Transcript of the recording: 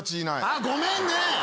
ああごめんね。